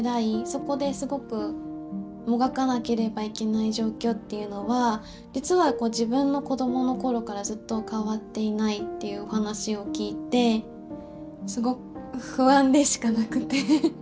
そこですごくもがかなければいけない状況っていうのは実は自分の子どものころからずっと変わっていないっていうお話を聞いてすごく不安でしかなくて。